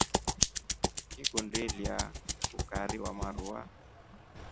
Ngikundi ilya ukari wa maruva.